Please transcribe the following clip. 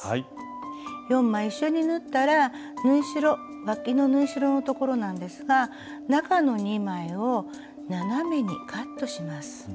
４枚一緒に縫ったらわきの縫い代の所なんですが中の２枚を斜めにカットします。